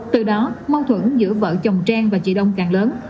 từ đó mâu thuẫn giữa vợ chồng trang và chị đông càng lớn